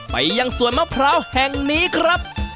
ไปยังสวนมะพร้าวแห่งนี้ครับ